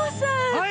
はい！